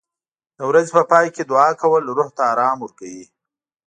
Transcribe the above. د ورځې په پای کې دعا کول روح ته آرام ورکوي.